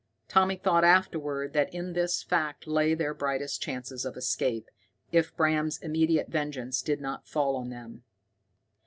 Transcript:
Tommy thought afterward that in this fact lay their brightest chances of escape, if Bram's immediate vengeance did not fall on them.